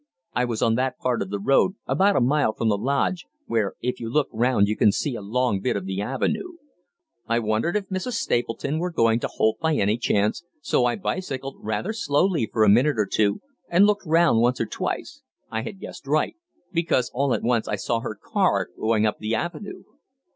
I was on that part of the road, about a mile from the lodge, where if you look round you can see a long bit of the avenue. I wondered if Mrs. Stapleton were going to Holt by any chance, so I bicycled rather slowly for a minute or two, and looked round once or twice. I had guessed right, because all at once I saw her car going up the avenue."